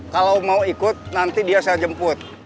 kalau mau ikut nanti dia saya jemput